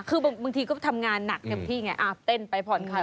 คือบางทีก็ทำงานหนักเต็มที่ไงอาบเต้นไปผ่อนคลาย